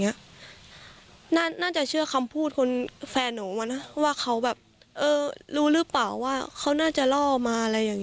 น่าจะเชื่อคำพูดคนแฟนหนูมานะว่าเขาแบบเออรู้หรือเปล่าว่าเขาน่าจะล่อมาอะไรอย่างนี้